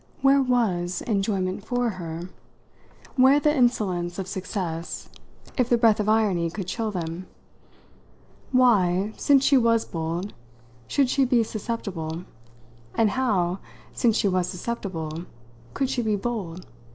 Where was enjoyment, for her, where the insolence of success, if the breath of irony could chill them? Why, since she was bold, should she be susceptible, and how, since she was susceptible, could she be bold?